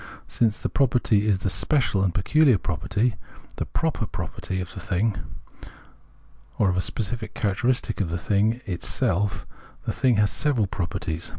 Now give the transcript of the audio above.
Since the pro perty is the special and peculiar property [the proper property] of, the thing, or a specific characteristic in the thing itself, the thing has several properties.